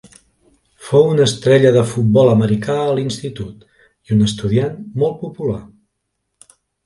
Fou una estrella de futbol americà a l'institut i un estudiant molt popular.